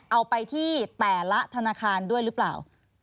เอาไปที่แต่ละธนาคารด้วยหรือเปล่า